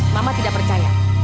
ma ma tidak percaya